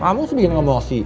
kamu sih bikin emosi